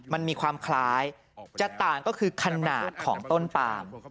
มันมีความคล้ายจะต่างก็คือขนาดของต้นปาม